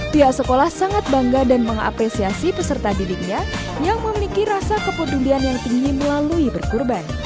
pihak sekolah sangat bangga dan mengapresiasi peserta didiknya yang memiliki rasa kepedulian yang tinggi melalui berkurban